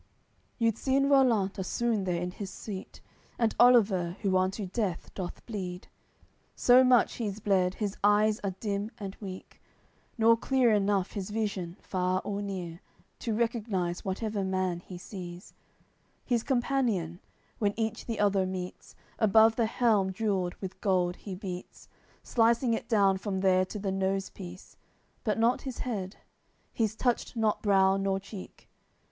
AOI. CXLIX You'd seen Rollant aswoon there in his seat, And Oliver, who unto death doth bleed, So much he's bled, his eyes are dim and weak; Nor clear enough his vision, far or near, To recognise whatever man he sees; His companion, when each the other meets, Above the helm jewelled with gold he beats, Slicing it down from there to the nose piece, But not his head; he's touched not brow nor cheek.